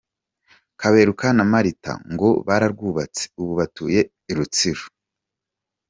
Kaberuka na Marita ngo bararwubatse, ubu batuye i Rutsiro.